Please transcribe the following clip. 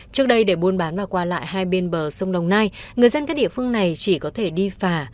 trước đây để buôn bán và qua lại hai bên bờ sông đồng nai người dân các địa phương này chỉ có thể đi phà